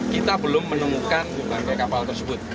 kita belum menemukan tanda tanda kapal tersebut